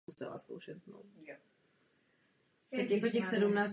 Přesné místo není známo.